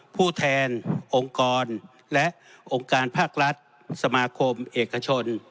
ผู้แทนองค์กรและองค์การภาครัฐสมาคมเอกชน